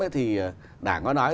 tám thì đảng nó nói